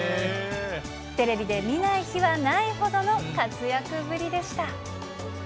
テレビで見ない日はないほどの活躍ぶりでした。